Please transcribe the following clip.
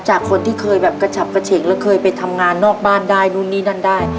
จากคนที่เคยแบบกระฉับกระเฉงแล้วเคยไปทำงานนอกบ้านได้นู่นนี่นั่นได้